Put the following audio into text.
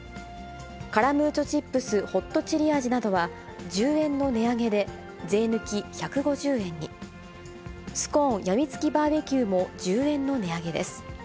カラムーチョチップスホットチリ味などは、１０円の値上げで、税抜き１５０円に、スコーンやみつきバーベキューも１０円の値上げです。